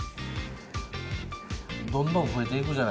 どんどん増えていくじゃないですか芸人さん。